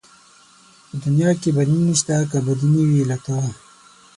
په دنيا کې بدي نشته که بدي نه وي له تا